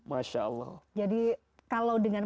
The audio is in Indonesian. jadi kalau dengan